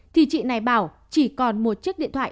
thì chị này bảo chỉ còn một chiếc điện thoại